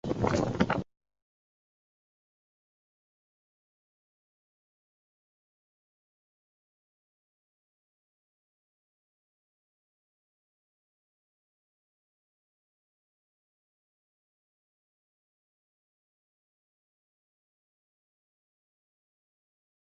田园调布邮便局为东京都大田区的一间邮局。